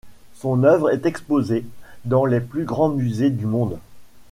Son œuvre est exposée dans les plus grands musées du monde.